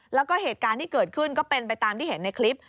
แล้วก็เหตุการณ์ที่เกิดขึ้นก็เป็นไปตามที่เห็นในคลิป